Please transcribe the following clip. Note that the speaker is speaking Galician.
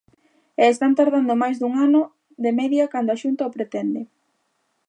E están tardando máis dun ano de media cando a Xunta o pretende.